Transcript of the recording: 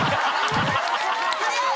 早い！